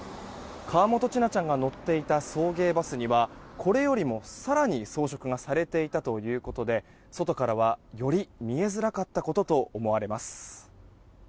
河本千奈ちゃんが乗っていた送迎バスにはこれよりも更に装飾がされていたということで外からはより見えづらかったことと思われます。